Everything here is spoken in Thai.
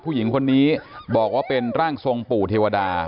ผู้หญิงคนนี้บอกว่าเป็นร่างทรงปู่เทวดา